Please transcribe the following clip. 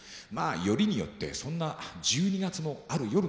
よりによってそんな１２月のある夜のこと。